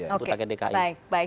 untuk rakyat untuk rakyat dki oke baik